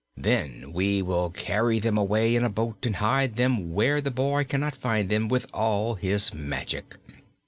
Then we will carry them away in a boat and hide them where the boy cannot find them, with all his magic.